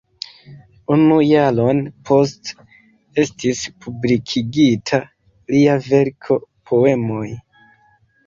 Unu jaron poste estis publikigita lia verko "Poemoj.